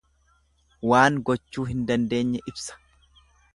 Waan gochuu hin dandeenye ibsa.